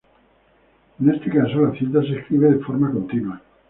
En este caso la cinta se escribe de forma continua.